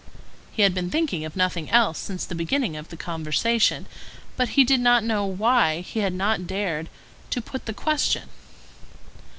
He had been thinking of nothing else since the beginning of the conversation, but he did not know why he had not dared to put the question.